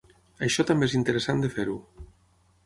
Això també és interessant de fer-ho.